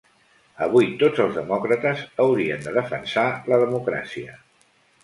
Avui tots els demòcrates haurien de defensar la democràcia.